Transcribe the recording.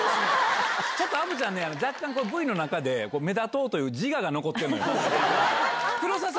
ちょっと虻ちゃんね、若干ね、Ｖの中で目立とうという自我が残ってるのよ。